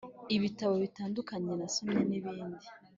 ibitabo bitandukanye.nasomye nibindi